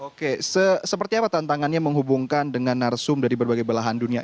oke seperti apa tantangannya menghubungkan dengan narsum dari berbagai belahan dunia